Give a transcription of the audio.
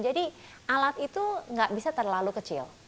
jadi alat itu nggak bisa terlalu kecil